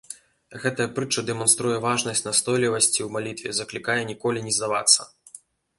Гэтая прытча дэманструе важнасць настойлівасці ў малітве, заклікае ніколі не здавацца.